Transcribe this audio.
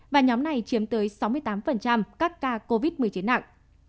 và nhóm này chiếm tới sáu mươi tám các ca covid một mươi chín nặng